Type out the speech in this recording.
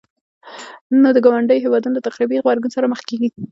نو د ګاونډيو هيوادونو له تخريبي غبرګون سره مخ کيږي.